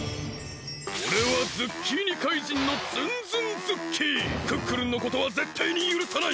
おれはズッキーニ怪人のクックルンのことはぜったいにゆるさない！